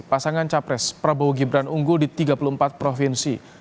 pasangan capres prabowo gibran unggul di tiga puluh empat provinsi